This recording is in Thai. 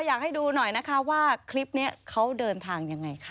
อยากให้ดูหน่อยนะคะว่าคลิปนี้เขาเดินทางยังไงคะ